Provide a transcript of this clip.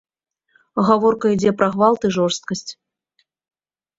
Гаворка ідзе пра гвалт і жорсткасць.